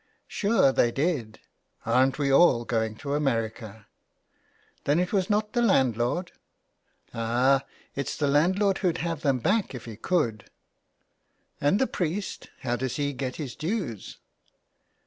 " Sure they did. Arn't we all going to America." " Then it was not the landlord ?^ 203 JULIA CAHILL'S CURSE. " Ah, it's the landlord who'd have them back if he could." " And the priest ? How does he get his dues